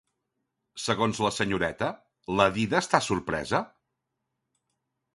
Segons la senyoreta, la dida està sorpresa?